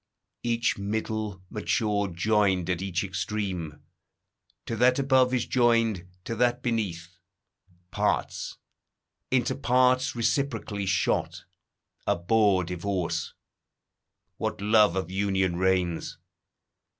Each middle nature joined at each extreme, To that above is joined, to that beneath; Parts, into parts reciprocally shot, Abhor divorce: what love of union reigns!